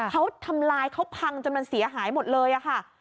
เขาทำลายเขาพังจนมันเสียหายหมดเลยค่ะ